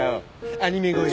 アニメ声。